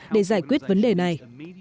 để giải quyết vấn đề này